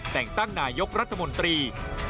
แต่งตั้งนายกรัฐมนตรี